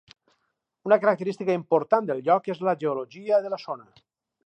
Una característica important del lloc és la geologia de la zona.